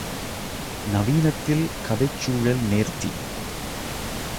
நவீனத்தில் கதைச் சூழல் நேர்த்தி.